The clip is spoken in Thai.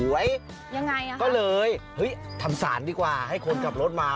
ยังไงอ่ะก็เลยเฮ้ยทำสารดีกว่าให้คนขับรถมา